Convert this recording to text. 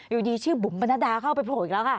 อยู่ดีชื่อบุ๋มปนัดดาเข้าไปโผล่อีกแล้วค่ะ